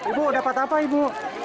ibu dapat apa ibu